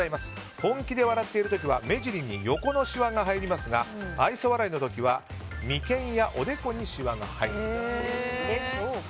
本気で笑っている時は目じりに横のしわが入りますが愛想笑いの時は眉間やおでこにしわが入ると。